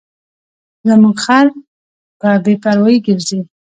زموږ خر په بې پروایۍ ګرځي.